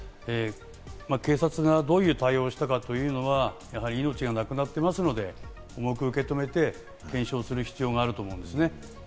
警察がどういう対応をしたかというのは、命がなくなってますので、重く受け止めて検証する必要があると思うんですね。